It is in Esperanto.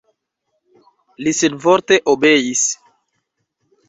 Li senvorte obeis.